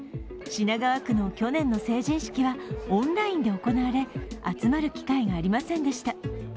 品川区の去年の成人式はオンラインで行われ集まる機会がありませんでした。